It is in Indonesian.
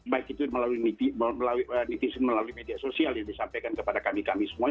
baik itu melalui netizen melalui media sosial yang disampaikan kepada kami kami semua